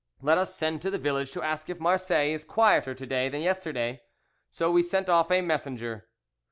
Let us send to the village to ask if Marseilles is quieter to day than yesterday.' So we sent off a messenger.